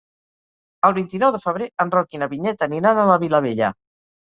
El vint-i-nou de febrer en Roc i na Vinyet aniran a la Vilavella.